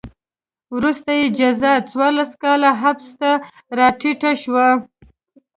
وروسته یې جزا څوارلس کاله حبس ته راټیټه شوه.